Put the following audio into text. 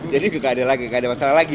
jadi tidak ada masalah lagi